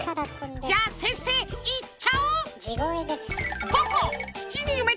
じゃあ先生いっちゃう？